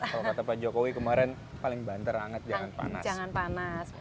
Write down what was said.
kalau kata pak jokowi kemarin paling banter anget jangan panas